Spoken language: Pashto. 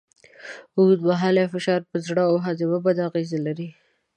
اوږدمهاله فشار پر زړه او هاضمه بد اغېز لري.